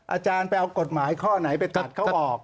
อาจารย์ไปเอากฎหมายข้อไหนไปตัดเขาบอก